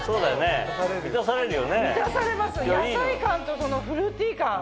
野菜感とこのフルーティー感。